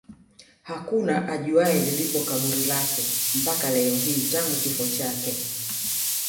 Hakuna ajuaye lilipo kaburi lake mpaka leo hii tangu kifo chake